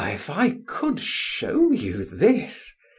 if I could show you this!